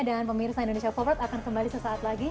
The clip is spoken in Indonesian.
dan pemirsa indonesia forward akan kembali sesaat lagi